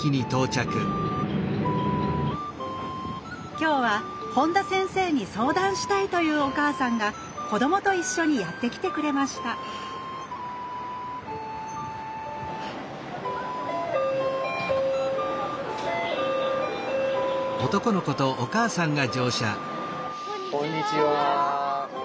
今日は本田先生に相談したいというお母さんが子どもと一緒にやって来てくれましたこんにちは。